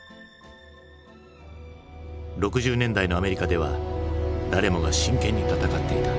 ６０年代のアメリカでは誰もが真剣に闘っていた。